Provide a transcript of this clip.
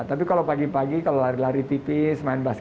tapi kalau pagi pagi kalau lari lari tipis main bask